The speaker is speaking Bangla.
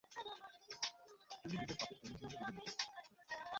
তুমি নিজের পাপের জন্য মূল্য দিবে মুকেশ।